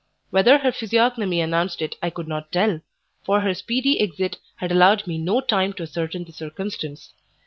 Whether her physiognomy announced it I could not tell, for her speedy exit had allowed me no time to ascertain the circumstance.